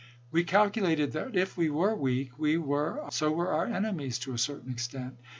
We calculated that if we were weak, so were our enemies to a certain extent.